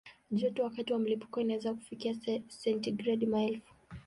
Joto wakati wa mlipuko inaweza kufikia sentigredi maelfu.